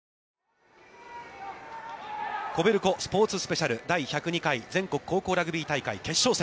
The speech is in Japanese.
ＫＯＢＥＬＣＯスポーツスペシャル全国高校ラグビー大会、決勝戦。